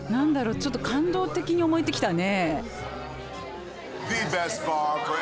ちょっと感動的に思えてきたね。